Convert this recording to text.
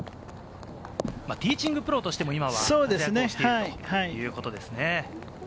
ティーチングプロとしても今は活躍しているということですね。